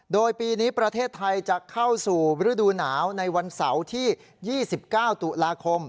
โดยปีนี้ประเทศไทยจะเข้าสู่ฤดูหนาวในวันเสาร์ที่๒๙ตุลาคม